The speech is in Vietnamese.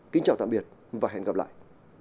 kính chào tạm biệt và hẹn gặp lại